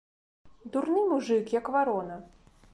Дурны мужык, як варона!